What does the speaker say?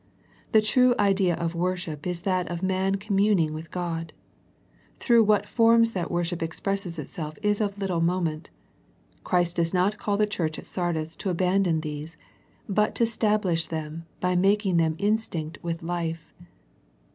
The true ideal of worship is that of man communing with God. Through what forms that wor ship expresses itself is of little moment. Christ does not call the church at Sardis to abandon these, but to stablish them by making them instinct with life.